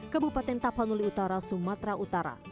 kebupaten tapanuli utara sumatera utara